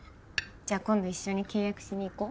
じゃあ今度一緒に契約しに行こう。